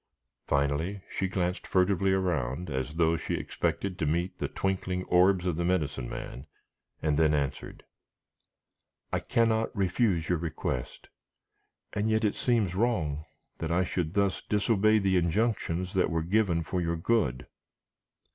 Finally she glanced furtively around, as though she expected to meet the twinkling orbs of the Medicine Man, and then answered: "I cannot refuse your request, and yet it seems wrong that I should thus disobey the injunctions that were given for your good.